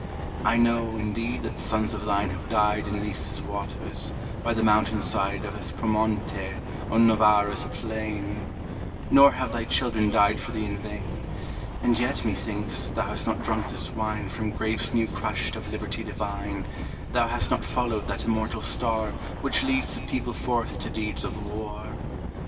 Cm] I know, indeed! that sons of thine have died In Lissa's waters, by the mountainside Of Aspromonte, on Novara's plain, — Nor have thy children died for thee in vain : And yet, methinks, thou hast not drunk this wine From grapes new crushed of Liberty divine, Thou hast not followed that immortal Star Which leads the people forth to deeds of war.